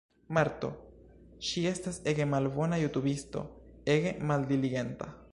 Marto. Ŝi estas ege malbona jutubisto, ege maldiligenta